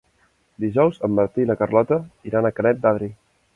Dijous en Martí i na Carlota iran a Canet d'Adri.